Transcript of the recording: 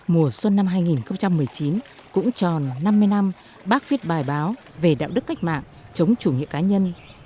mùa xuân năm hai nghìn một mươi chín cũng tròn năm mươi năm bác viết bài báo về đạo đức cách mạng chống chủ nghĩa cá nhân